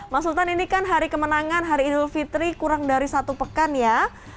mas sultan ini kan hari kemenangan hari idul fitri kurang dari satu pekan ya